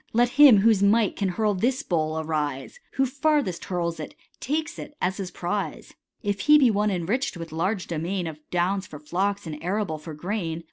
Let him whose might can hurl this bowl, arise ; Who farthest hurls it, takes it as his prize : If he be one enrich'd with large domain • Of downs for flocks and arable for grain.